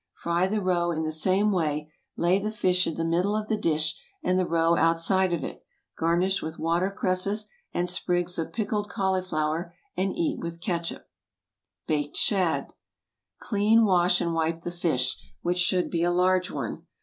Fry the roe in the same way; lay the fish in the middle of the dish, and the roe outside of it; garnish with water cresses and sprigs of pickled cauliflower, and eat with catsup. BAKED SHAD. ✠ Clean, wash, and wipe the fish, which should be a large one.